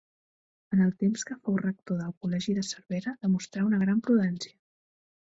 En el temps que fou rector del col·legi de Cervera, demostrà una gran prudència.